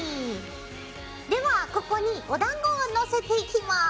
ではここにおだんごを載せていきます。